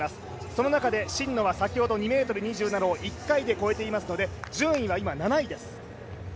その中で真野は先ほど２ｍ２７を１回で越えていますので、順位は今、７位です。